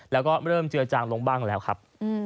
แล้วก็เริ่มเจือจางลงบ้างแล้วครับ